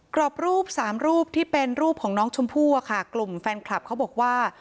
กรอบรูปสามรูปที่เป็นรูปของน้องชมพู่อะค่ะกลุ่มแฟนคลับเขาบอกว่า